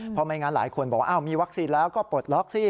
เพราะไม่งั้นหลายคนบอกว่ามีวัคซีนแล้วก็ปลดล็อกสิ